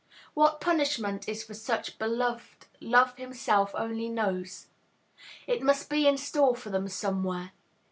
What punishment is for such beloved, Love himself only knows. It must be in store for them somewhere.